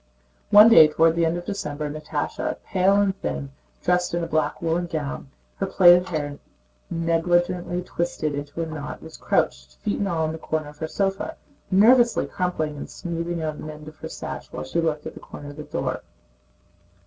One day toward the end of December Natásha, pale and thin, dressed in a black woolen gown, her plaited hair negligently twisted into a knot, was crouched feet and all in the corner of her sofa, nervously crumpling and smoothing out the end of her sash while she looked at a corner of the door.